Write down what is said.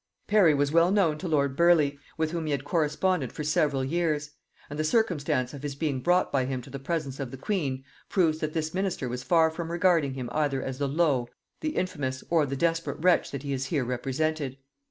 Parry was well known to lord Burleigh, with whom he had corresponded for several years; and the circumstance of his being brought by him to the presence of the queen, proves that this minister was far from regarding him either as the low, the infamous, or the desperate wretch that he is here represented.